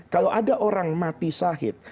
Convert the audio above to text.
kalau ada orang mati sahid